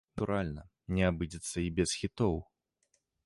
Натуральна, не абыдзецца і без хітоў.